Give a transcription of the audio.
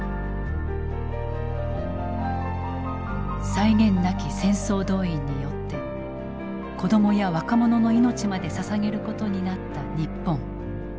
際限なき戦争動員によって子供や若者の命までささげることになった日本。